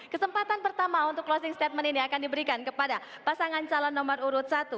kesempatan pertama untuk closing statement ini akan diberikan kepada pasangan calon nomor urut satu